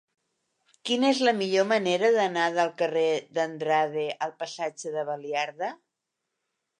Quina és la millor manera d'anar del carrer d'Andrade al passatge de Baliarda?